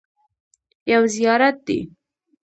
یو زیارت دی.